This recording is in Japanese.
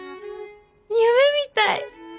夢みたい！